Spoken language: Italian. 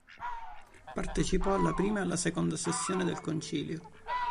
Partecipa alla prima e alla seconda sessione del Concilio.